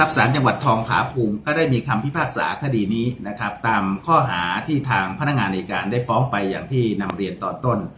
สารจังหวัดทองผาภูมิก็ได้มีคำพิพากษาคดีนี้นะครับตามข้อหาที่ทางพนักงานในการได้ฟ้องไปอย่างที่นำเรียนตอนต้น